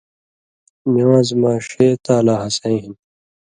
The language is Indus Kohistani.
نِوان٘ز مہ ݜے تالا ہَسَیں ہِن